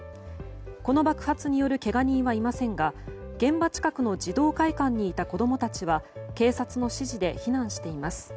この爆発によるけが人はいませんが現場近くの児童会館にいた子供たちは警察の指示で避難しています。